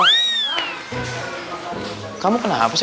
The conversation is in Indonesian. ini kamu kenapa seru klassen